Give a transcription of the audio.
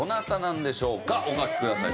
お書きください。